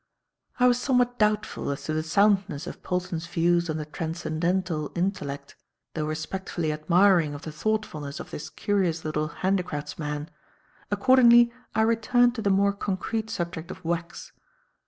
I was somewhat doubtful as to the soundness of Polton's views on the transcendental intellect, though respectfully admiring of the thoughtfulness of this curious little handicraftsman; accordingly I returned to the more concrete subject of wax.